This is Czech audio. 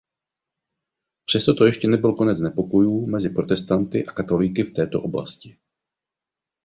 Přesto to ještě nebyl konec nepokojů mezi protestanty a katolíky v této oblasti.